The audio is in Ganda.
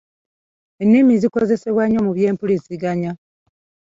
Ennimi zikozesebwa nnyo mu byempuliziganya.